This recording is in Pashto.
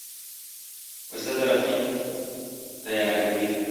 وسله د راتلونکي تیاره کوي